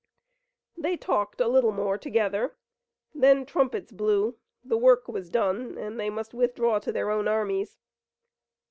They talked a little more together, then trumpets blew, the work was done and they must withdraw to their own armies.